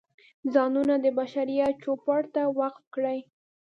ځانونه د بشریت چوپړ ته وقف کړي.